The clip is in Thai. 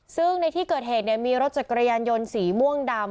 ซึ่งในที่เกิดเหตุมีรถจักรยานยนต์สีม่วงดำ